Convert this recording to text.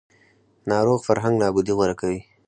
ناروغ فرهنګ نابودي غوره کوي